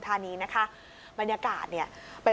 สวัสดีครับสวัสดีครับ